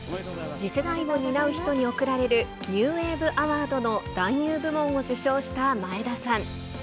次世代を担う人に贈られるニューウェーブアワードの男優部門を受賞した眞栄田さん。